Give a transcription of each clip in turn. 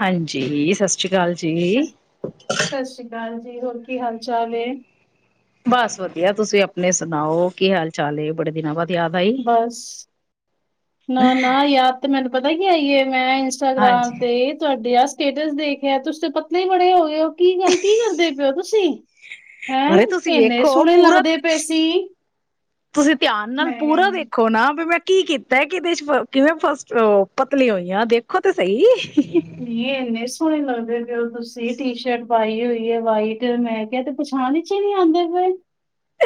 ਹਾਂਜੀ ਸਤਿ ਸ੍ਰੀ ਕਾਲ ਜੀ। ਸਤਿ ਸ੍ਰੀ ਅਕਾਲ ਜੀ ਹੋਰ ਕੀ ਹਾਲ ਚਾਲ ਐ। ਬਸ ਵਧੀਆ ਤੁਸੀਂ ਆਪਣੀ ਸੁਣਾਓ ਕੀ ਹਾਲ ਚਾਲ ਏ ਬੜੇ ਦਿਨਾਂ ਬਾਦ ਬਸ। ਨਾ ਨਾ ਯਾਦ ਤੇ ਮੈਨੂੰ ਪਤਾ ਕੀ ਆਈ ਏ ਮੈਂ ਇੰਸਟਾਗ੍ਰਾਮ ਹਾਂਜੀ, ਤੇ ਤੁਹਾਡੇ ਆਸ ਸਟੇਟਸ ਦੇਖਿਐ ਤੁਸੀ ਤੇ ਪਤਲੇ ਈ ਬੜੇ ਹੋ ਗਏ ਓ ਕੀ ਗੱਲ ਕੀ ਕਰਦੇ ਪਏ ਓ ਤੁਸੀਂ? ਹੈਂ ਅਰੇ ਤੁਸੀਂ ਏਨੇ ਸੋਹਣੇ ਲੱਗਦੇ ਪਏ ਸੀ। ਤੁਸੀ ਧਿਆਨ ਨਾਲ ਮੈਂ ਪੂਰਾ ਕਹਿੰਦੀ ਵੇਖੋ ਨਾ ਵੀ ਮੈਂ ਕੀ ਕੀਤੈ ਕਿਦੇ ਚ ਫ ਕਿਵੇਂ ਫਸਟ ਓ ਪਤਲੀ ਹੋਈ ਆ ਦੇਖੋ ਤੇ ਸਈ। ਨੀ ਏ ਏਨੇ ਸੋਹਨੇ ਲਗਦੇ ਓ ਤੁਸੀ ਟੀਸ਼ਰਟ ਪਾਈ ਹੋਈ ਏ ਵਾਈਟ ਮੈਂ ਕਿਹਾ ਏ ਤੇ ਪਛਾਣ ਚ ਈ ਨੀ ਆਂਦੇ ਪਏ।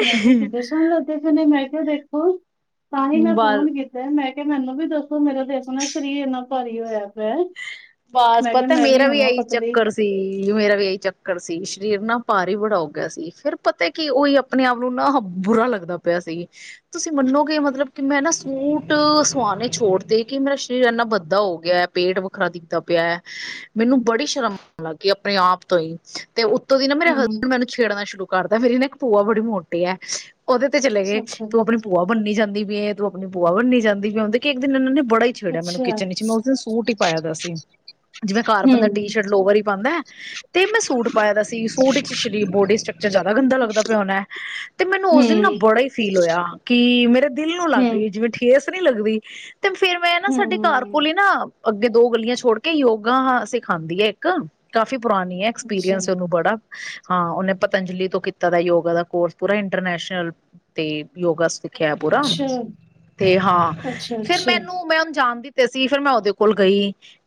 ਮੈਂ ਕਿਹਾ ਕਿਦੇ ਸੋਹਣੇ ਲੱਗਦੇ ਪਏ ਨੇ ਮੈਂ ਕਿਹਾ ਦੇਖੋ ਤਾਂਹੀ ਮੈਂ ਬਸ ਫੋਨ ਕੀਤੈ ਮੈਂ ਕੇ ਮੈਨੂੰ ਵੀ ਦੱਸੋ ਮੇਰਾ ਤੇ ਆਪਣਾ ਸਰੀਰ ਏਨਾ ਭਾਰੀ ਹੋਇਆ ਪਿਐ। ਬਾਸ ਪਤੈ ਮੇਰਾ ਵੀ ਇਹੀ ਚੱਕਰ ਸੀ ਮੇਰਾ ਵੀ ਇਹੀ ਚੱਕਰ ਸੀ ਸਰੀਰ ਨਾ ਭਾਰੀ ਬੜਾ ਹੋਗਿਆ ਸੀ ਫੇਰ ਪਤਾ ਕੀ ਉਹੀ ਆਪਣੇ ਆਪ ਨੂੰ ਨਾ ਬੁਰਾ ਲਗਦਾ ਪਿਆ ਸੀ ਤੁਸੀਂ ਮੰਨ ਮੰਨੋਗੇ ਮਤਲਬ ਕਿ ਮੈਂ ਨਾ ਸੂਟ ਸਵਾਨੇ ਛੋੜ ਤੇ ਕਿ ਮੇਰਾ ਸਰੀਰ ਏਨਾ ਬੱਦਾ ਹੋ ਗਿਆ ਪੇਟ ਵੱਖਰਾ ਦਿ ਦਾ ਪਿਆ ਮੈਨੂੰ ਬੜੀ ਸ਼ਰਮ ਆਨ ਗੀ ਪਈ ਆਪਣੇ ਆਪ ਤੋਂ ਈ ਤੇ ਉਤ ਤੋਂ ਦੀ ਨਾ ਮੇਰੇ ਹੂੰ, ਹਸਬੈਂਡ ਮੈਨੂੰ ਛੇੜਨਾ ਸ਼ੁਰੂ ਕਰਦਾ ਮੇਰੀ ਨਾ ਇੱਕ ਪੂਆ ਬੜੀ ਮੋਟੀ ਹਐ। ਓਦੇ ਤੇ ਚਲੇ ਗਏ, ਅੱਛਾ, ਤੂੰ ਆਪਣੀ ਭੂਆ ਬਨੀ ਜਾਂਦੀ ਪਈਏ, ਤੂੰ ਆਪਣੀ ਭੂਆ ਬਨੀ ਜਾਂਦੀ ਪਈ ਏ ਹੁਨ ਦੇਖੀ ਇੱਕ ਦਿਨ ਏਨਨਾ ਨੇ ਬੜਾ ਹੀ ਛੇੜਿਆ ਮੈਨੂੰ ਅੱਛਾ, ਕਿਚਨ ਇਚ ਮੈਂ ਉਸ ਦਿਨ ਸੂਟ ਈ ਪਿਆ ਦਾ ਸੀ। ਜਿਵੇ ਘਰ ਹੂੰ, ਬੰਦਾ ਟੀਸ਼ਰਟ ਲੋਵਰ ਈ ਪਾਂਦਾਏ ਤੇ ਮੈਂ ਸੂਟ ਪਾਇਆ ਦਾ ਸੀ ਸੂਟ ਵਿੱਚ ਸ਼ਰੀ ਬੋਡੀ [unintelligible] ਜਾਦਾ ਗੰਦਾ ਲੱਗਦਾ ਪਿਆ ਹੋਣੈ ਤੇ ਮੈਨੂੰ ਉਸ ਦਿਨ ਨਾ ਹੂੰ, ਬੜਾ ਈ ਫੀਲ ਹੋਇਆ ਕਿ ਮੇਰੇ ਦਿਲ ਨੂੰ ਲੱਗ ਵੀ ਹੂੰ, ਜਿਵੇ ਠੇਸ ਨੀ ਲੱਗਦੀ ਤੇ ਫਿਰ ਮੈਂ ਨਾ ਸਾਡੇ ਘਰ ਹੂੰ, ਕੋਲ ਈ ਨਾ ਅੱਗੇ ਦੋ ਗਲੀਆ ਛੋੜ ਯੋਗਾ ਹਾ ਸਿਖਾਉਂਦੀ ਐ ਇੱਕ ਕਾਫ਼ੀ ਪੁਰਾਣੀ ਐ ਅੱਛਾ। ਐਕਸਪੀਰੀਅੰਸ ਐ ਓਹਨੁ ਬੜਾ। ਹਾਂ ਉਹਨੇ ਪਤੰਜਲੀ ਤੋਂ ਕੀਤਾ ਦਾ ਯੋਗਾ ਦਾ ਕੋਰਸ ਪੂਰਾ ਇੰਟਰਨੈਸ਼ਨਲ ਤੇ ਯੋਗਾ ਸਿਖ ਖੇਆ ਪੂਰਾ ਅੱਛਾ, ਤੇ ਹਾਂ ਅੱਛਾ, ਫਿਰ ਅੱਛਾ। ਮੈਨੂੰ ਮੈਂ ਓਹਨੁ ਜਾਣਦੀ ਤੇ ਸੀ ਫੇਰ ਮੈਂ ਉਹਦੇ ਕੋਲ ਗਈ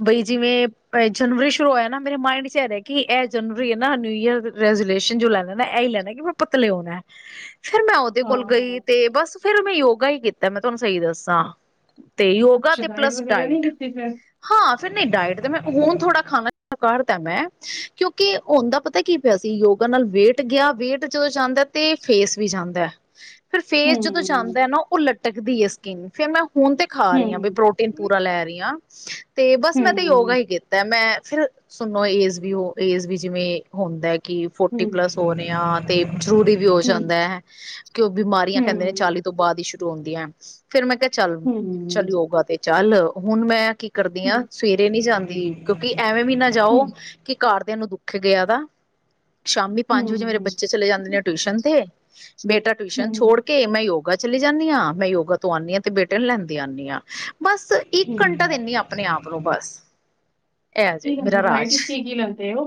ਬਈ ਜਿਵੇ ਜਨਵਰੀ ਸ਼ੁਰੂ ਹੋਇਆ ਨਾ ਮੇਰੇ ਮਾਇੰਡ ਚ ਐ ਰਿਹਾ ਕਿ ਇਹ ਜਨਵਰੀ ਹੈ ਮੈਂ ਨਿਊ ਈਅਰ ਰੈਜੂਲੇ ਜੋ ਲੈਣਾ ਨਾ ਏਯੀ ਲੈਣਾ ਕਿ ਮੈਂ ਪਤਲੇ ਹੋਣੈ ਫਿਰ ਮੈਂ ਉਹਦੇ ਕੋਲ ਗਈ ਹਾਂ, ਤੇ ਬਸ ਫਿਰ ਮੈਂ ਯੋਗਾ ਹੀ ਕੀਤਾ ਮੈਂ ਤੁਹਾਨੂੰ ਸਹੀ ਦੱਸਾਂ ਤੇ ਯੋਗਾ ਅੱਛਾ ਤੇ ਪਲੱਸ ਵਗੈਰਾ ਨਹੀਂ ਡਾਇਟ ਕੀਤੀ ਫਿਰ? ਹਾਂ ਫਿਰ ਨਹੀ ਡਾਇਟ ਤੇ ਮੈਂ ਹੁਣ ਥੋੜ੍ਹਾ ਖਾਣਾ ਭਾਰਦਾ ਮੈਂ ਕਿਉਂਕਿ ਹੋਂਦਾ ਪਤਾ ਕੀ ਪਿਆ ਸੀ ਯੋਗਾ ਨਾਲ ਵੇਟ ਗਿਆ ਵੇਟ ਜੋ ਜਾਂਦੈ ਤੇ ਫੇਸ ਵੀ ਜਾਂਦਾ ਐ ਫਿਰ ਫੇਸ ਜਦੋ ਹੂੰ, ਜਾਂਦੈ ਐ ਨਾ ਉਹ ਲਟਕਦੀ ਹੈ ਸਕਿੰਨ ਫੇਰ ਮੈਂ ਹੁਣ ਤੇ ਖਾ ਹੂੰ, ਰਹੀ ਹਾਂ ਬਈ ਹੂੰ, ਪ੍ਰੋਟੀਨ ਹੂੰ, ਪੂਰਾ ਲੈ ਰਹੀ ਆ ਤੇ ਬਸ ਮੈਂ ਤਾਂ ਯੋਗਾ ਹੂੰ, ਹੀ ਕੀਤੈ ਮੈਂ ਫਿਰ ਸੁਣੋ ਏਜ ਵੀ ਏਜ ਵੀ ਜਿਵੇ ਹੁੰਦੈ ਕਿ ਫੋਰਟੀ ਹੂੰ, ਪਲੱਸ ਹੋਨੇ ਆ ਜਰੂਰੀ ਵੀ ਹੋ ਹੂੰ, ਜਾਂਦੈ ਕਿ ਉਹ ਬਿਮਾਰੀਆਂ ਕਹਿੰਦੇ ਨੇ ਹੂੰ, ਚਾਲੀ ਤੋਂ ਬਾਅਦ ਈ ਸ਼ੁਰੂ ਹੁੰਦੀਐਂ ਫਿਰ ਮੈਂ ਕਿਹਾ ਚੱਲ ਹੂੰ, ਚੱਲ ਯੋਗਾ ਤੇ ਚੱਲ ਹੁਣ ਮੈਂ ਕੀ ਕਰਦੀ ਆ ਸਵੇਰੇ ਨੀ ਜਾਂਦੀ ਕਿਉਂਕਿ ਐਵੇਂ ਵੀ ਨਾ ਜਾਓ ਕਿ ਘਰਦਿਆ ਨੂੰ ਦੁੱਖ ਏ ਗਿਆ ਦਾ ਸ਼ਾਮੀ ਪੰਜ ਵਜੇ ਮੇਰੇ ਬੱਚੇ ਚਲੇ ਜਾਂਦੇ ਨੇ ਟਿਊਸ਼ਨ ਤੇ ਬੇਟਾ ਟਿਊਸ਼ਨ ਛੋਡ ਹੂੰ, ਕੇ ਮੈਂ ਯੋਗਾ ਚਲੀ ਜਾਨੀ ਆ ਮੈਂ ਯੋਗਾ ਤੋਂ ਆਉਂਦੀ ਆ ਤੇ ਬੇਟੇ ਨੂੰ ਲੈਂਦੀ ਆਨੀ ਆ ਬਸ ਇੱਕ ਘੰਟਾ ਹੂੰ। ਦਿੰਨੀ ਆ ਪ ਨੂੰ ਬਸ ਇਹ ਕੀ ਜੇ ਲੈਂਦੇ ਮੇਰਾ ਓ ਡਾਇਟ ਰਾਜ ਚ ਕੀ ਕੀ ਲੈਂਦੇ ਓ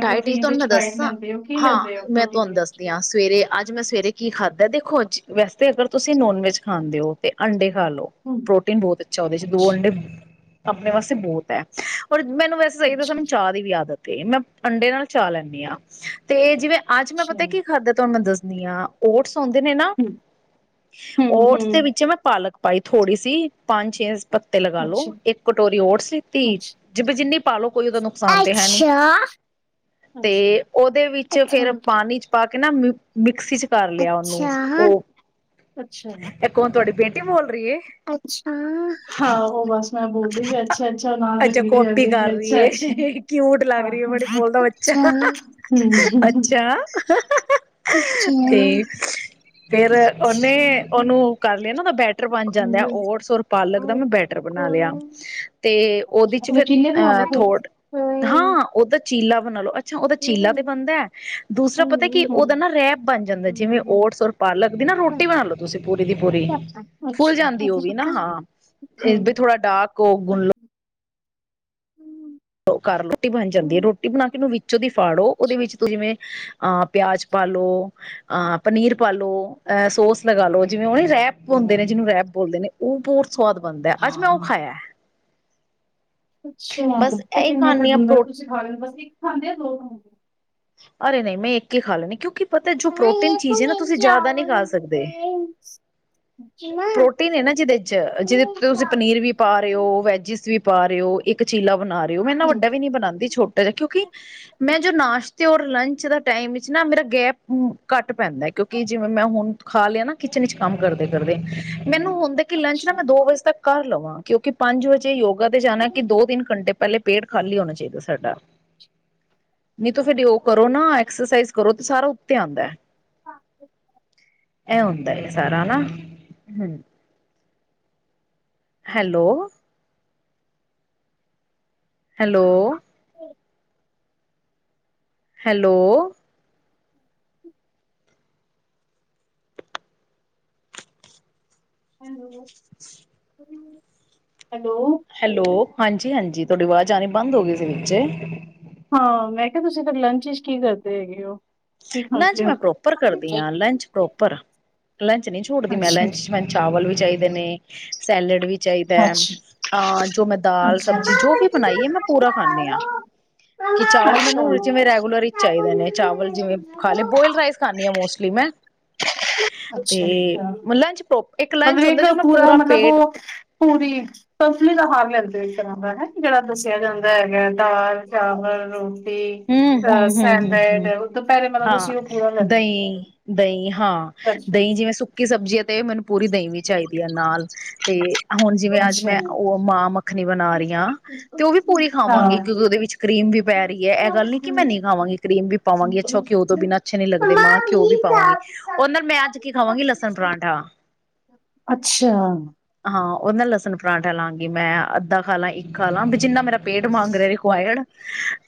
ਡਾਇਟ ਚ ਤੁਹਾਨੂੰ ਮੈਂ ਦੱਸਾਂ ਹੋ, ਕੀ ਹਾਂ ਲੈਂਦੇ ਹੋ ਮੈਂ ਪ੍ਰੋਟੀਨ ਤੁਹਾਨੂੰ ਵਿੱਚ? ਦੱਸਦੀ ਆ ਸਵੇਰੇ ਅੱਜ ਮੈਂ ਸਵੇਰੇ ਕੀ ਖਾਦੈ ਦੇਖੋ ਅੱਜ ਵੈਸੇ 'ਤੇ ਅਗਰ ਤੁਸੀ ਨੋਨ ਵੈਜ ਖਾਂਦੇ ਓ ਤੇ ਆਂਡੇ ਖਾਲੋ ਹੂੰ, ਪ੍ਰੋਟੀਨ ਬਹੁਤ ਅੱਛਾ ਓਦੇ 'ਚ ਦੋ ਆਂਡੇ ਆਪਣੇ ਵਾਸਤੇ ਬਹੁਤ ਐ ਔਰ ਮੈਨੂੰ ਵੈਸੇ ਸਹੀ ਦਸਾ ਅੱਛਾ, ਮੈਨੂੰ ਚਾਹ ਦੀ ਵੀ ਆਦਤ ਮੈਂ ਅੰਡੇ ਨਾਲ ਚਾਹ ਲੈਨੀ ਆ ਤੇ ਜਿਵੇਂ ਅੱਜ ਮੈਂ ਅੱਛਾ। ਪਤਾ ਕੀ ਖਾਧੈ ਤੁਹਾਨੂੰ ਮੈਂ ਦਸਨੀ ਆ ਓਟਸ ਓਹਦੇ ਨੇ ਨਾ ਹੂੰ ਹੂੰ ਹੂੰ ਓਟਸ ਦੇ ਵਿੱਚ ਮੈਂ ਪਾਲਕ ਪਾਈ ਥੋੜ੍ਹੀ ਸੀ ਪੰਜ ਛੇ ਪੱਤੇ ਲਗਾਲੋ ਅੱਛਾ ਇੱਕ ਕਟੋਰੀ ਓਟਸ ਲਿਤੀ ਅੱਛਾ ਜਿਵੇ ਜਿੰਨੀ ਪਾਲੋ ਕੋਈ ਉਹਦਾ ਨੁਕਸਾਨ ਤੇ ਹੈ ਨੀ ਅੱਛਾ ਤੇ ਅੱਛਾ ਉਹਦੇ ਵਿੱਚ ਅੱਛਾ ਫੇਰ ਪਾਣੀ 'ਚ ਪਾ ਕੇ ਕ ਨਾ ਮਿਕਸੀ ਚ ਕਰ ਲਿਆ ਓਹਨੂੰ ਅੱਛਾ ਉਹ ਅੱਛਾ ਇੱਕ ਹੁਣ ਤੁਹਾਡੇ ਪੀ ਅੱਛਾ ਹਾਹੋ ਬਸ ਮੈਂ ਬੋਲਦੀ ਅੱਛਾ ਅੱਛਾ ਨਾਲ ਅੱਛਾ ਰਪੀਟ ਕਾਪੀ ਜਾਂਦੀ ਕਰ ਰਹੀ ਅੱਛਾ ਅੱਛਾ ਏ ਕਿਊਟ ਲੱਗ ਰਹੀ ਹੈ ਬੜੀ ਬੋਲਦਾ ਅੱਛਾ ਬੱਚਾ ਹਮ ਅੱਛਾ ਅੱਛਾ। ਤੇ ਫੇਰ ਉਹਨੇ ਉਹਨੂੰ ਕਰ ਲਿਆ ਨਾ ਉਹਦਾ ਬੈਟਰ ਬਣ ਜਾਂਦ ਆ ਓਟਸ ਔਰ ਪਾਲਕ ਦਾ ਹੂੰ ਮੈਂ ਬੈਟਰ ਬਣਾ ਲਿਆ ਕੋਈ ਤੇ ਉਹਦੇ ਚ ਫਿਰ ਕਿੰਨੇ ਬਣਾ ਲਏ ਅਹ ਫਿਰ ਥੋੜ ਕੋਈ ਹਾਂ ਉਹਦਾ ਚੀਲਾ ਬਣਾ ਲਓ। ਅੱਛ ਉਹਦਾ ਚੀਲਾ ਤੇ ਬਣਦਾ ਦੂਸਰਾ ਪਤਾ ਕਿ ਉਹਦਾ ਹੂੰ ਨਾ ਰੈਪ ਬਣ ਜਾਂਦਾ ਜਿਵੇਂ ਓਟਸ ਔਰ ਪਾਲਕ ਦੇ ਵਿੱਚ। ਨਾ ਉੱਪਰ ਰੋਟੀ ਬਣਾ ਲੋ ਤੁਸੀਂ ਪੂਰੀ ਦੀ ਪੂਰੀ ਫੁੱਲ ਅੱਛਾ ਜਾਂਦੀ ਉਹ ਵੀ ਨਾ ਹਾਂ। ਇਹ ਵੀ ਹੂੰ ਥੋੜਾ ਡਾਕ ਹੋ ਗੁਣਲੋ ਵਿੱਚੋ ਦੀ ਫਾੜੋ ਉਹਦੇ ਅੱਛਾ ਵਿੱਚ ਤੁਲਵੇ ਅ ਪਿਆਜ ਪਾਲੋ ਅ ਪਨੀਰ ਪਾਲੋ ਅਹ ਸੋਸ ਲਗਾ ਲੋ ਜਿਵੇਂ [unintelligible] ਉਹ ਰਹਿਪ ਹੁੰਦੇ ਨੇ ਹਾਂ ਜਿਹਨੂੰ ਰਹਿਪ ਬੋਲਦੇ ਨੇ ਉਹ ਬਹੁਤ ਸਵਾਦ ਬਣਦਾ ਅੱਜ ਮੈਂ ਉਹ ਹਾਂ ਖਾਇਆ। ਅੱਛਾ ਬਸ ਤੇ ਇਹ ਕਿੰਨੇ ਫ ਖਾਂਦੀ ਹਾਂ ਦਿਨ ਦਾ ਪ੍ਰੋ ਤੁਸੀਂ ਖਾ ਲੈਦੇ ਬਸ ਇੱਕ ਖਾਂਦੇ ਆ ਦੋ ਖਾਂਦੇ ਅਰੇ ਨਹੀਂ ਮੈਂ ਇੱਕ ਹੀ ਖਾ ਲੈਦੀ ਕਿਉਂਕਿ ਪਤਾ ਜੋ ਪ੍ਰੋਟੀਨ ਚੀਜ਼ ਹੈ ਨਾ ਤੁਸੀਂ ਜ਼ਿਆਦਾ ਨਹੀਂ ਖਾ ਸਕਦੇ ਪ੍ਰੋਟੀਨ ਹੈ ਨਾ ਜਿਹਦੇ ਚ ਜਿਹਦੇ ਹਮ, ਤੁਸੀਂ ਪਨੀਰ ਵੀ ਪਾ ਰਹੇ ਹੋ ਵੈਜਿਸ ਵੀ ਪਾ ਰਹੇ ਹੋ ਇੱਕ ਚੀਲਾ ਬਣਾ ਰਹੇ ਹੋ ਮੈਂਨਾ ਵੱਡਾ ਵੀ ਨੀ ਬਣਾਉਂਦੀ ਛੋਟਾ ਜਿਹਾ ਕਿਉਂਕਿ ਮੈਂ ਜੋ ਨਾਸ਼ ਤੇ ਰ ਲੰਚ ਦਾ ਟਾਈਮ ਵਿੱਚ ਨਾ ਮੇਰਾ ਗੈਪ ਘੱਟ ਪੈਂਦਾ ਕਿਉਂਕਿ ਜਿਵੇਂ ਮੈਂ ਹੁਣ ਖਾ ਲਿਆ ਨਾ ਕਿਚਨ ਵਿੱਚ ਕੰਮ ਕਰਦੇ ਕਰਦੇ ਮੈਨੂੰ ਹੁੰਦਾ ਕਿ ਲੰਚ ਨਾ ਅੱਛਾ ਮ ਦੋ ਵਜੇ ਤੱਕ ਕਰ ਲਵਾਂ ਕਿਉਂਕਿ ਪੰਜ ਵਜੇ ਯੋਗਾ ਤੇ ਜਾਣਾ ਕਿ ਦੋ ਤਿੰਨ ਘੰਟੇ ਪਹਿਲੇ ਪੇਟ ਖਾਲੀ ਹੋਣਾ ਚਾਹੀਦਾ ਸਾਡਾ ਨੀ ਫੇਿਰ ਯੋਗ ਕਰੋ ਨਾ ਐਕਸਰਸਾਈਜ਼ ਕਰੋ ਤੇ ਸਾਰਾ ਉੱਤੇ ਆਉਂਦਾ ਹੈ ਇਹ ਹੁੰਦਾ ਹੈ ਸਾਰਾ ਨਾ ਹਮ hello hello. Hello. Hello hello hello ਹਾਂਜੀ-ਹਾਂਜੀ ਤੁਹਾਡੀ ਆਵਾਜ਼ ਆਣੀ ਬੰਦ ਹੋ ਗਈ ਸੀ ਵਿੱਚੇ- ਹਾਂ ਮੈਂ ਕਿਹਾ ਤੁਸੀਂ ਤਾਂ ਲੰਚ ਵਿਚ ਕੀ ਕਰਦੇ ਹੈਗੇ ਹੋ? ਕੀ ਲੰਚ ਖਾਂਦੇ ਮੈਂ ਹੋ ਪ੍ਰੋਪਰ ਕਰਦੀ ਹਾਂ ਲੰਚ ਪ੍ਰੋਪਰ ਲੰਚ ਨਹੀਂ ਛੋੜਦੀ ਮੈਂ ਅੱਛਾ ਲੰਚ ਮੈਨੂੰ ਚਾਵਲ ਵੀ ਚਾਹੀਦੇ ਨੇ ਸੈਲਡ ਵੀ ਚਾਹੀਦਾ ਅੱਛਾ ਅਹ ਜੋ ਮੈਂ ਦਾਲ ਅੱਛਾ ਸਬਜ਼ੀ ਜੋ ਵੀ ਬਣਾਈ ਹੈ ਮੈਂ ਪੂਰਾ ਖਾਂਣੀ ਹਾਂ। ਕਿ ਚਾਵਲ ਮੈਨੂੰ ਜਿਵੇਂ ਰੈਗੂਲਰ ਹੀ ਚਾਹੀਦੇ ਨੇ ਚਾਵਲ ਜਿਵੇਂ ਹਲੇ ਬੋਤਲ ਰਾਈਸ ਖਾਂਣੀ ਹਾਂ ਮੋਸਟਲੀ ਮੈਂ ਅੱਛਾ ਅੱਛਾ ਤੈ ਲੰਚ ਚ ਬ ਮਤਲਬ ਇੱਕ ਪੂਰਾ ਮਤਲਬ ਉਹ ਪੂਰੀ ਸੰਤੁਲਿਤ ਆਹਾਰ ਲੈਂਦੇ। ਦਾ ਹੈ ਜਿਹੜਾ ਦੱਸਿਆ ਜਾਂਦਾ ਹੈਗਾ ਦਾਲ-ਚਾਵਲ -ਰੋਟੀ ਅ ਹੂੰ-ਹੂੰ-ਹੂੰ-ਹੂੰ ਸੈਲਡ ਦੁਪਹਿਰੇ ਮਤਲਬ ਹਾਂ ਤੁਸੀਂ ਉਹ ਪੂਰਾ ਲੈਂਦੇ ਦਹੀਂ ਹੋ ਦਹੀਂ। ਹਾਂ ਅੱਛਾ ਦਹੀਂ ਜਿਵੇਂ ਸੁੱਕੀ ਸਬਜ਼ੀ ਆ ਤੇ ਮੈਨੂੰ ਪੂਰੀ ਦਹੀਂ ਵੀ ਚਾਹੀਦੀ ਹੈ ਨਾਲ ਤੇ- ਹੁਣ ਜਿਵੇਂ ਅੱਜ ਅੱਛਾ ਮੈਂ ਉਹ ਮਾਂ-ਮ ੱਖਣੀ ਬਣਾ ਰਹੀ ਹ ਤੇ ਉਹ ਵੀ ਪੂਰੀ ਖਾਵਾਂਗੀ ਕਿਉਂਕਿ ਉਹਦੇ ਵਿੱਚ ਕਰੀਮ ਵੀ ਪੈ ਰਹੀ ਏ ਏਗ ਗੱਲ ਨਹੀਂ ਕਿ ਮੈਂ ਹਾਂ ਨਹੀਂ ਖਾਵਾਂਗੀ ਕਰੀਮ ਵੀ ਪਾਵਾਂਗੀ ਅੱਛਾ ਘਿਓ ਤੋਂ ਬਿਨਾਂ ਅੱਛੇ ਨੀ ਲੱਗਦੇ ਮਮਾ ਮਾਂਹ ਘਿਓ ਵੀ ਪਲੀਜ਼ ਪਾਵਾਂਗੀ ਆਪ ਸਭ ਉਹਦੇ ਨਾਲ ਮੈ ਮੈਂ ਅੱਜ ਕੀ ਸਭ ਖਾਵਾਂਗੀ ਸਭ ਲਸਣ ਸਭ ਪਰਾਂਠਾ ਅੱਛਾ। ਹਾਂ ਉਹਦੇ ਨਾਲ ਲਸਣ ਪਰਾਂਠਾ ਲਾਗੀ ਮੈਂ ਅੱਧਾ ਖਾ ਲਾ ਇੱਕ ਖਾ ਲਾ ਵੀ ਜਿੰਨਾ ਮੇਰਾ ਪੇਟ ਮੰਗ ਰਹਾ ਰਿਕੁਆਇਰਡ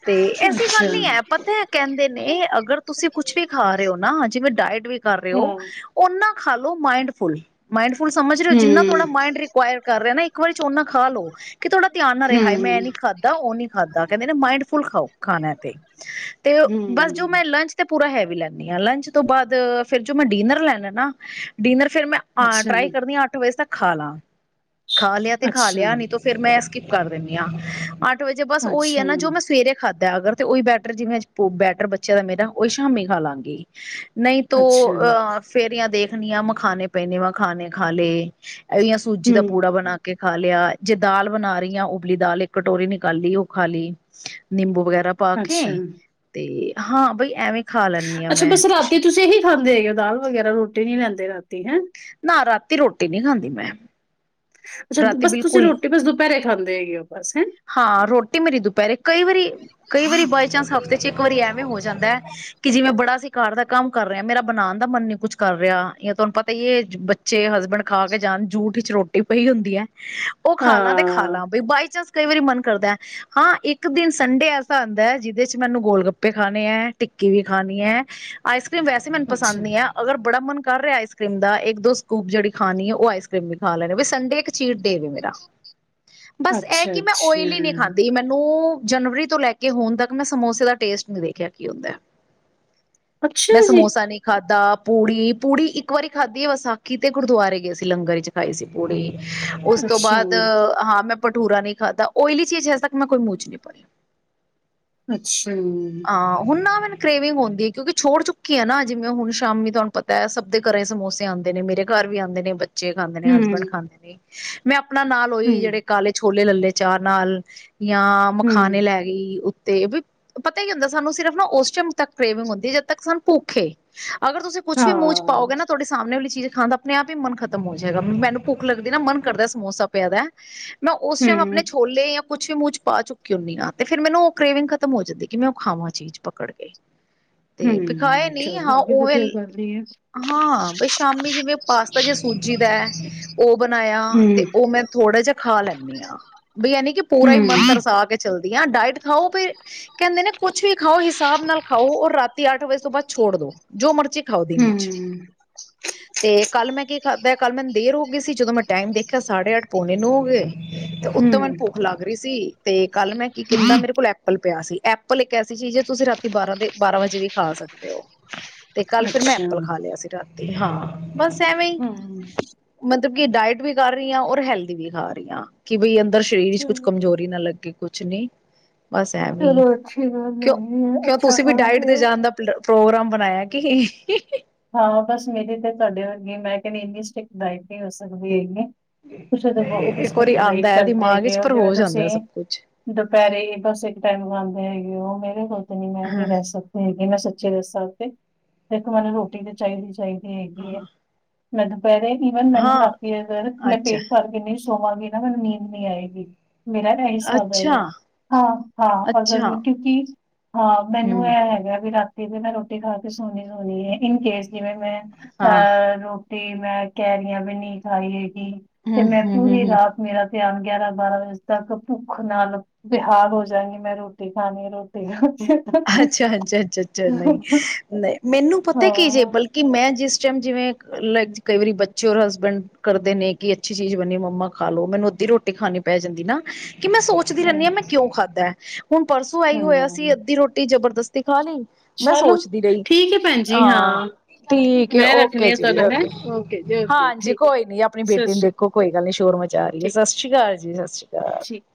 ਤੇ ਅੱਛਾ ੱਲ ਨਹੀਂ ਹੈ ਪਤਾ ਕਹਿੰਦੇ ਨੇ ਅਗਰ ਤੁਸੀਂ ਕੁਛ ਵੀ ਖਾ ਰਹੇ ਹੋ ਨਾ ਜਿਵੇਂ ਡਾਇਟ ਵੀ ਕਰ ਰਹੇ ਹੋ ਹਮ ਉਹ ਖਾਲੋ ਮਾਈੰਡਫੁਲ ਮਾਇੰਡ ਫੁੱਲ ਸਮਝ ਰਹੇ ਹੋ ਜਿੰਨਾ ਹਮ ਤੁਹਾਡਾ ਮਡ ਰਿਕੁਆਇਰ ਕਰ ਰਿਹਾ ਨਾ ਇੱਕ ਵਾਰੀ ਓਨਾ ਖਾ ਲਓ ਕਿ ਤੁਹਾਡਾ ਧਿਆਨ ਨਾ ਰਹੇ ਹਾਏ ਮੈਂ ਨੀ ਖਾਧਾ ਉਹ ਨੀ ਖਾਧਾ ਕਹਿੰਦੇ ਨਾ ਮਾਇੰਡ ਫੁੱਲ ਖਾਓ। ਖਾਣਾ ਤੇ ਤੇ ਬਸ ਜੋ ਮੈਂ ਹਮ ਲੰਚ ਤੇ ਪੂਰਾ ਹੈਵੀ ਲੈਂਦੀ ਹਾਂ ਲੰਚ ਤੋਂ ਬਾਅਦ ਫਿਰ ਜੋ ਮੈਂ ਡਿਨਰ ਲੈਣਾ ਨਾ ਡਿਨਰ ਫੇਰ ਮੈਂ ਅੱਛਾ ਟਰਾਈ ਕਰਦੀ ਹਾਂ ਅੱਠ ਵਜੇ ਤੱਕ ਖਾ ਲਾ ਖਾ ਲਿਆ ਤੇ ਖਾ ਅੱਛਾ ਲਿਆ ਨਹੀਂ ਤੇ ਫਿਰ ਮੈਂ ਸਕਿਪ ਕਰ ਦਿੰਦੀ ਹਾਂ ਅੱਠ ਵਜੇ ਬਸ ਉਹੀ ਹੈ ਅੱਛਾ ਨਾ ਜੋ ਮੈਂ ਸਵੇਰੇ ਖਾਧਾ, ਅਗਰ ਤੇ ਉਹੀ ਬੈਟਰ ਜਿਵੇਂ ਅੱਜ ਬੈਟਰ ਬੱਚੇ ਦਾ ਮੇਰਾ, ਉਹੀ ਸ਼ਾਮੀ ਹੀ ਖਾ ਲਾਂਗੀ। ਨਹੀਂ ਤੋ, ਅੱਛਾ ਅ ਫੇਰ ਯਾ ਦੇਖਨੀ ਆ ਮਖਾਣੇ ਪਏ ਨੇ, ਮਖਾਨੇ ਖਾ ਲੇ। ਇਹ ਯਾ ਸੂਜੀ ਦਾ ਹਮ ਪੂੜਾ ਬਣਾ ਕੇ ਖਾ ਲਿਆ, ਜੇ ਦਾਲ ਬਣਾ ਰਹੀ ਆ, ਉਬਲੀ ਦਾਲ ਇੱਕ ਕਟੋਰੀ ਨਿਕਾਲੀ, ਉਹ ਖਾ ਲੀ । ਨਿੰਬੂ ਵਗੈਰਾ ਪਾ ਕੇ, ਅੱਛਾ ਤੇ ਹਾਂ । ਬਈ ਐਵੇਂ ਖਾ ਲੈਂਦੀ ਆ ਅੱਛਾ ਮੈਂ ਬਸ ਰਾਤੀ । ਤੁਸੀਂ ਇਹੀ ਖਾਂਦੇ ਅਇਓ ਦਾਲ ਵਗੈਰਾ, ਰੋਟੀ ਨਹੀਂ ਲੈਂਦੇ ਰਾਤੀ, ਹੈਂ? ਨਾ, ਰਾਤੀ ਰੋਟੀ ਨਹੀਂ ਖਾਂਦੀ ਮੈਂ। ਅੱਛਾ, ਰਾਤੀ ਬਸ ਤੁਸੀਂ ਬਿਲਕੁਲ ਰੋਟੀ ਬਸ ਦੁਪਹਿਰੇ ਖਾਂਦੇ ਹੈਗੇ ਹੋ ਬਸ ਹੈਂ ਹਾਂ ਰੋਟੀ ਮੇਰੀ ਦੁਪਹਿਰੇ, ਕਈ ਵਾਰੀ, ਕਈ ਵਾਰੀ ਬਾਈ ਚਾਂਸ ਹਫ਼ਤੇ ਚ ਇੱਕ ਵਾਰੀ ਐਵੇਂ ਹੋ ਜਾਂਦਾ ਕਿ ਜਿਵੇਂ ਬੜਾ ਅਸੀ ਘਰ ਦਾ ਕੰਮ ਕਰ ਰਹੇ ਹਾਂ, ਮੇਰਾ ਬਣਾਉਣ ਦਾ ਮਨ ਨੀ ਕੁੱਛ ਕਰ ਰਿਹਾ, ਜਾਂ ਤੁਹਾਨੂੰ ਪਤਾ ਈ ਏ ਬੱਚੇ ਹਸਬੈਂਡ ਖਾ ਕੇ ਜਾਣ, ਜੂਠ ਵਿੱਚ ਰੋਟੀ ਪਈ ਹੁੰਦੀ ਹੈ, ਉਹ ਖਾ ਲਾਂ ਤੇ ਖਾ ਹਾਂ ਲਾਂ। ਬਈ ਬਾਏ ਚਾਂਸ ਕਈ ਵਾਰੀ ਮਨ ਕਰਦਾ, ਹਾਂ ਇੱਕ ਦਿਨ ਸੰਡੇ ਐਸਾ ਆਂਦੈ ਜਿਦੇ ਚ ਮੈਨੂੰ ਗੋਲ ਗੱਪੇ ਖਾਣੇ ਏ, ਟਿੱਕੀ ਕੀ ਵੀ ਖਾਣੀ ਹੈ, ਆਈਸ ਕ੍ਰੀਮ ਵੈਸੇ ਮੈਨੂੰ ਅੱਛਾ ਪਸੰਦ ਨਹੀਂ ਹੈ, ਅਗਰ ਬੜਾ ਮਨ ਕਰ ਰਿਹਾ ਆਈਸ ਕ੍ਰੀਮ ਦਾ, ਇੱਕ ਦੋ ਸਕੂਪ ਜਿਹੜੀ ਖਾਣੀ ਹੈ ਉਹ ਆਈਸ ਕਰ੍ਰੀਮ ਵੀ ਖਾ ਲੈਣੀ। ਵੀ ਸੰਡੇ ਇੱਕ ਚੀਟ ਡੇ ਵੇ ਮੇਰਾ । ਬਸ ਇਹ ਅੱਛਾ ਕਿ ਮੈਂ ਅੱਛਾ ਓਇਲੀ ਨੀ ਹੀ ਖਾਂਦੀ। ਮੈਨੂੰ ਉਹ ਜਨਵਰੀ ਤੋਂ ਲੈ ਕੇ ਹੁਣ ਤੱਕ ਮੈਂ ਸਮੋਸੇ ਦਾ ਟੇਸਟ ਨਹੀਂ ਵੇਖਿਆ, ਕੀ ਹੁੰਦਾ। ਮੈਂ ਅੱਛਾ ਜੀ ਸਮੋਸਾ ਨਹੀਂ ਖਾ ਦਾ, ਪੂੜੀ, ਪੂੜੀ ਇੱਕ ਵਾਰੀ ਖਾਧੀ ਏ, ਵਿਸਾਖੀ ਤੇ ਗੁਰਦੁਆਰੇ ਗਏ ਸੀ। ਲੰਗਰ ਚ ਖਾਈ ਸੀ ਪੂਰੀ। ਉਸ ਤੋਂ ਅੱਛਾ ਬਾਅਦ, ਜੀ, ਹਾਂ ਮੈਂ ਭਠੂਰਾ ਨਹੀਂ ਦਾ, ਓਇਲੀ ਚੀਜ਼ ਹਜੇ ਤੱਕ ਮੈਂ ਕੋਈ ਮੂਹ ਚ ਨਹੀਂ ਪਾਈ। ਅੱਛਾ। ਜੀ। ਹਾਂ ਹੁਣ ਨਾ ਮੈਨ ਕ੍ਰੇਵਿੰਗ ਹੁੰਦੀ ਹੈ ਕਿਉਂਕਿ ਛੋੜ ਚੁੱਕੀ ਹੈ ਨਾ, ਜਿਵੇਂ ਹੁਣ ਸ਼ਾਮੀ ਤੁਹਾਨੂੰ ਪਤਾ ਸਭ ਦੇ ਘਰਾਂ ਚ ਸਮੋਸੇ ਆਉਂਦੇ ਨੇ, ਮੇਰੇ ਘਰ ਵੀ ਆਉਂਦੇ ਨੇ, ਬੱਚੇ ਖਾਂਦੇ ਨੇ, ਹੂੰ, ਹਸਬੈਂਡ ਖਾਂਦੇ ਨੇ। ਮੈਂ ਆਪਣਾ ਨਾਲ ਉਹੀ ਹੂੰ, ਜਿਹੜੇ ਕਾਲ ਛੋਲ ਛੋਲੇ ਲੱਲੇ ਚਾਹ ਨਾਲ ਜਾਂ ਮਖਾਣੇ ਹੂੰ, ਲੈ ਗਈ ਉੱਤੇ। ਵਈ ਪਤਾ ਕਿ ਹੁੰਦਾ, ਸਾਨੂੰ ਸਿਰਫ ਨਾ ਉਸ ਟਾਈਮ ਤੱਕ ਕ੍ਰੇਵਿੰਗ ਹੁੰਦੀ ਏ, ਜਦ ਤੱਕ ਸਾਨੂੰ ਭੁਖ ਏ। ਅਗਰ ਤੁਸੀਂ ਕੁਛ ਵੀ ਮੁਹ ਚ ਹਾਂ, ਪਾਓਗੇ ਨਾ ਤੁਹਾਡੇ ਸਾਮਣੇ ਵਾਲੀ ਚੀਜ਼ ਖਾਣ ਦਾ ਆਪਣੇ ਆਪ ਹੀ ਮਨ ਖਤਮ ਹੋ ਜਾਏਗਾ, ਮੈਨੂੰ ਭੁੱਖ ਲੱਗਦੀ ਨਾ, ਮਨ ਕਰਦਾ ਸਮੋਸਾ ਪਿਆ ਦੈ। ਮੈਂ ਉਸ ਟਾਈਮ ਹੂੰ, ਆਪਣੇ ਛੋਲੇ ਜਾਂ ਕੁਛ ਵੀ ਮੂੰਹ 'ਚ ਪਾ ਚੁੱਕ ਹੁੰਦੀ ਹਾਂ। ਫਿਰ ਮੈਨ ਉਹ ਕ੍ਰੇਵਿੰਗ ਖਤਮ ਹੋ ਜਾਂਦੀ ਏ। ਕਿ ਮੈਂ ਉਹ ਖਾਵਾਂ ਚੀਜ਼ ਪਕੜ ਕੇ । ਤੇ, ਤੇ ਖਾਇਆ ਹੂੰ, ਨਹੀਂ, ਚਲੋ ਹਾਂ ਇਹ ਵੀ ਓ ਵਧੀਆ ਵੈਲ ਗੱਲ ਈ ਐ। ਹਾਂ ਬ ਸ਼ਾਮੀ ਜਿਵੇਂ ਪਾਸਤਾ ਜਾਂ ਸੂਜ ਸੂਜੀ ਦੈ, ਉਹ ਬਣਾਇਆ ਤੇ ਹੂੰ, ਉਹ ਮੈਂ ਥੋੜ੍ਹਾ ਜਾ ਖਾ ਲੈਂਦੀ ਹਾਂ। ਬਈ ਇਹ ਨੀ ਕਿ ਪੂਰਾ ਹੀ ਹੂੰ, ਮਨ ਤਰਸਾ ਕੇ ਚੱਲਦੀ ਆ, ਡਾਇਟ ਖਾਓ ਫਿਰ ਕਹਿੰਦੇ ਨੇ, ਕੁਛ ਵੀ ਖਾਓ, ਹਿਸਾਬ ਨਾਲ ਖਾਓ । ਔਰ ਰਾਤੀ ਅੱਠ ਵਜੇ ਤੋਂ ਬਾਅਦ ਛੋੜ ਦੋ, ਜੋ ਮਰਜੀ ਖਾਓ ਦਿਨ ਚ, ਹੂੰ, ਤੇ ਕੱਲ੍ਹ ਮੈਂ ਕੀ ਖਾਧਾ, ਕੱਲ ਮੈਨੂੰ ਦੇਰ ਹੋ ਗਈ ਸੀ। ਜਦੋਂ ਮੈਂ ਟਾਈਮ ਦੇਖਿਆ, ਸਾਢੇ ਅੱਠ ਪੌਣੇ ਨੋਂ ਹੋ ਗਏ ਤੇ ਉੱਤੋਂ ਮੈਨੂੰ ਹੂੰ, ਭੁੱਖ ਲੱਗ ਰਹੀ ਸੀ, ਤੇ ਕੱਲ ਮੈਂ ਕੀ ਕੀਤਾ। ਹੂੰ, ਮੇਰੇ ਕੋਲ ਐਪਲ ਪਿਆ ਸੀ। ਐਪਲ ਇੱਕ ਐਸੀ ਚੀਜ਼ ਹੈ ਤੁਸੀਂ ਰਾਤੀ ਬਾਰਾਂ ਦੇ ਬਾਰਾਂ ਵਜੇ ਵੀ ਖਾ ਸਕਦੇ ਹੋ। ਤੇ ਕੱਲ ਫੇਿ ਮੈਂ ਅੱਛਾ ਐਪਲ ਖਾ ਲਿਆ ਸੀ ਰਾਤੀ। ਹਾਂ, ਬਸ ਐਵੇਂ ਹੀ। ਹੂੰ, ਮਤਲਬ ਕਿ ਡਾਇਟ ਵੀ ਕਰ ਰਹੀ ਹਾਂ ਔਰ ਹੈਲਦੀ ਵੀ ਖਾ ਰਹੀ ਹਾਂ । ਕਿ ਬਈ ਅੰਦਰ ਸਰੀਰ ਚ ਕੁਛ ਚਲੋ ਕਮਜ਼ੋਰੀ ਨਾ ਲੱਗੇ। ਕੁਛ ਨੀ, ਬਸ ਐਵੇਂ ਈ ਚਲੋ ਅੱਛੀ ਗੱਲ ।ਕਿਉਂ, ਹੈਗੀ ਐ, ਕਿਉਂ ਅੱਛਾ ਤੁਸੀਂ ਵੀ ਖਾ ਡਾਇਟ ਰਹੇ ਤੇ ਓ। ਜਾਣ ਦਾ ਪਲੈ ਪ੍ਰੋਗਰਾਮ ਬਣਾਇਆ ਕੀ? ਹੀਂ ਹੀਂ ਹਾਂ ਬਸ ਮੇਰੀ ਤੇ ਤੁਹਾਡੇ ਵਰਗੀ, ਮੈਂ ਕਹਿੰਦੀ ਇੰਨੀ ਸਟ੍ਰਿਕਟ ਡਾਇਟ ਨਹੀਂ ਹੋ ਸਕਦੀ ਹੈਗੀ। ਤੁਸੀ ਤੇ ਬਹੁਤ ਹੀ ਇੱਕ ਵਾਰੀ ਸਟ੍ਰਿਕਟ ਡਾਇਟ ਆਉਂਦਾ ਹੈ ਕਰਦੇ ਦਿਮਾਗ ਵਿੱਚ ਹੈਗੇ ਓ । ਪਰ ਜਿਵੇਂ ਹੋ ਜਾਂਦਾ ਤੁਸੀਂ ਸਭ ਕੁਛ ਦੁਪਹਿਰੇ ਬਸ ਇੱਕ ਟਾਈਮ ਆਉਂ ਹੈਗੀ, ਉਹ ਮੇਰੇ ਕੋਲ ਤੇ ਨੀ, ਮੈਂ ਹਾਂ ਨੀ ਲੈ ਸਕਦੀ ਹੈਗੀ। ਮੈਂ ਸੱਚੀ ਦੱਸਾਂ ਤੇ, ਇੱਕ ਵਾਰੀ ਰੋਕ ਚਾਹੀਦੀ ਚਾਹੀਦੀ ਹੈਗੀ ਏ ਹਾਂ । ਮੈ ਤੋ ਬੈਰੇ ਈਵਨ ਮੈਨੂੰ ਹਾਂ ਰਾਤੀ ਅਗਰ ਮੈਂ ਅੱਛਾ ਪੇਟ ਭਰ ਕੇ ਨਹੀਂ ਸੌਵਾਂਗੀ ਨਾ ਮੈਨੂੰ ਨੀਂਦ ਨਹੀਂ ਆਏਗੀ। ਮੇਰਾ ਤਾਂ ਹਿਸਾਬ ਏ ਅੱਛਾ ਵੇ। ਹਾਂ ਹਾਂ, ਅਗਰ, ਅੱਛਾ ਕਿਉਂਕਿ ਹਾਂ ਮੈਨੂੰ ਹਮ ਇਹ ਹੈਗਾ ਵੀ ਰਾਤ ਮੈਂ ਰੋਟੀ ਖਾ ਕੇ ਸੋਹਣੀ ਸੋਹਣੀ ਹੈ ਇਨਕੇਸ ਜਿਵੇਂ ਮੈਂ ਹਾਂ ਅਹ ਰੋ ਮੈਂ ਕੈਰੀਆਂ ਵੀ ਨ ਖਾਈ ਹੈਗੀ ਤੇ ਹਮ ਮੈਂ ਹਮ ਹਮ ਪੂਰੀ ਹਮ ਰਾਤ ਮੇਰਾ। ਨ ਗਿਆਰਾਂ ਬਾਰਾਂ ਵਜੇ ਤੱਕ ਭੁੱਖ ਨਾਲ ਵਿਹਾਲ ਹੋ ਜਾਗੀ ਮੈਂ ਰੋਟੀ ਖਾਣੀ ਰੋਟੀ ਖਾਣੀ। ਅੱਛਾ ਅੱਛਾ ਅੱਛਾ ਅੱਛਾ ਨਹੀਂ ਨਹੀਂ ਮੈਨੂੰ ਪੁਤਾ ਹਾਂ ਕੀ ਜੇ ਬਲਕਿ ਮੈਂ ਇਸ ਟਾਈਮ ਜਿਵੇਂ ਲਾਈ ਕਈ ਵਾਰੀ ਬੱਚੇ ਔਰ ਹਸਬੈਂਡ ਕਰਦੇ ਨੇ ਕਿ ਅੱਛੀ ਚੀਜ਼ ਬਣੀ ਮੰਮਾ ਖਾ ਲੋ ਮੈਨੂੰ ਉਦੀ ਰੋਟੀ ਖਾਣੀ ਪੈ ਜਾਂਦੀ ਨਾ। ਕਿ ਮੈਂ ਸੋਚਦੀ ਰਹਿੰਦੀ ਹੂੰ, ਹਾਂ ਮੈਂ ਕਿਉਂ ਖਾਧਾ ਹੁਣ ਪਰਸੋਂ ਆਈ ਹੋਇਆ ਸੀ ਹੂੰ। ਅੱਧੀ ਰੋਟੀ ਜਬਰਦਸਤੀ ਖਾ ਲਈ। ਮੈਂ ਚਲੋ ਸੋਚਦੀ ਰਹੀ ਠੀਕ ਹੈ ਭੈਣ ਜੀ ਹਾਂ। ਠੀਕ ਹੈ ਮੈਂ ਓਕੇ ਰੱਖਣੀ ਆ ਜੀ ਤੁਹਾਨੂੰ ਹੈਂ ਓਕੇ ਓਕੇ ਜੀ ਓਕੇ ਹਾਂਜੀ ਠੀਕ ਹੈ। ਕੋਈ ਨੀ ਆਪਣੀ ਸਤਿ ਬੇਟੀ ਨੂੰ ਸ਼੍ਰੀ ਅਕਾਲ ਦੇਖੋ ਕੋਈ ਗੱਲ ਨੀ ਸ਼ੋਰ ਹੈ ਠੀਕ ਸਤਿ ਸ਼੍ਰੀ ਅਕਾਲੀ। ਠੀਕ।